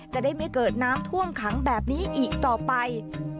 จะได้ไม่เกิดน้ำท่วมขังแบบนี้อีกต่อไป